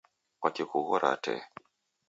Kwaki kughoragha tee?